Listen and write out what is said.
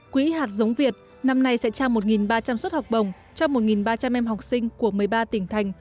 quỹ hạt giống việt năm nay sẽ trao một ba trăm linh suất học bổng cho một ba trăm linh em học sinh của một mươi ba tỉnh thành